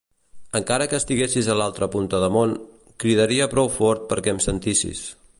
Encara que estiguessis a l'altra punta de món, cridaria prou fort perquè em sentissis.